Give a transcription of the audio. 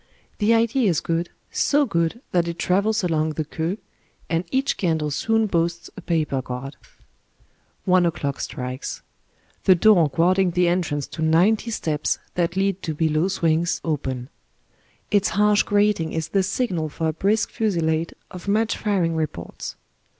The idea is good, so good that it travels along the queue^ and each candle soon boasts a paper guard. One o'clock strikes. The door guarding the entrance to ninety steps that lead to below swings open. Its harsh grating is the signal for a brisk fusillade of match firing reports.